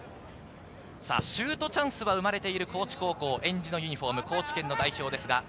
シュートチャンスは生まれている高知高校、えんじのユニホーム、高知県代表です。